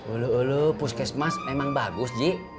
ulu ulu puskesmas memang bagus ji